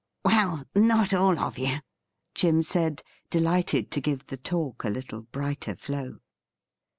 ' Well, not all of you,' Jim said, delighted to give the talk a little brighter flow.